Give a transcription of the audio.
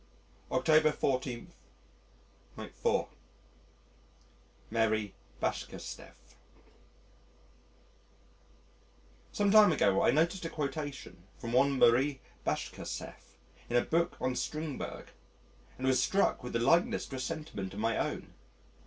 October 14. Marie Bashkirtseff Some time ago I noticed a quotation from one, Marie Bashkirtseff in a book on Strindberg, and was struck with the likeness to a sentiment of my own.